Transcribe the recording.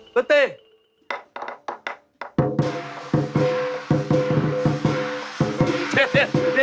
กุฏติ